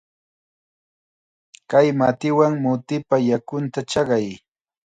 Kay matiwan mutipa yakunta chaqay.